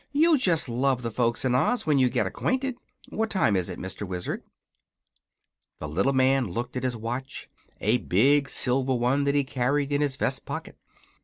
"You'll just love the folks in Oz, when you get acquainted. What time is it, Mr. Wizard?" The little man looked at his watch a big silver one that he carried in his vest pocket.